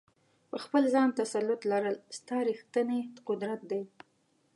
په خپل ځان تسلط لرل، ستا ریښتنی قدرت دی.